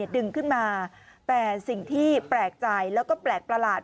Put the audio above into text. ดึงขึ้นมาแต่สิ่งที่แปลกใจแล้วก็แปลกประหลาด